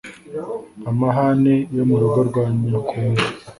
Amahane yo mu rugo nago nyakunda